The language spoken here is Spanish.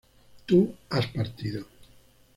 tú has partido